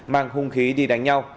mang hung khí đi đánh nhau